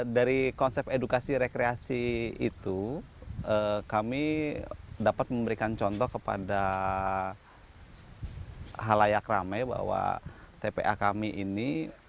dari konsep edukasi rekreasi itu kami dapat memberikan contoh kepada halayak rame bahwa tpa kami ini